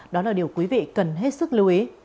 đó là điều quý vị cần hết sức lưu ý